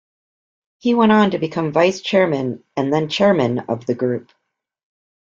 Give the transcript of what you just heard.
He went on to become vice-chairman and then chairman of the group.